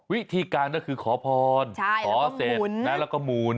วิธีการก็คือขอพรขอเสร็จแล้วก็มูล